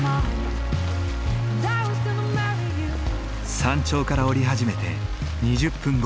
山頂から下り始めて２０分後。